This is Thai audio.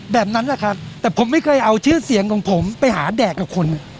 แบบนั้นแหละครับแต่ผมไม่เคยเอาชื่อเสียงของผมไปหาแดกกับคน